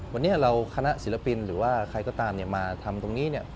วันนี้เราคณะศิลปินหรือว่าใครก็ตามมาทำตรงนี้